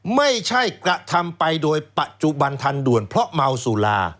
ไม่ใช่กระทำไปโดยปัจจุบันทันด่วนเพราะเมาสุรา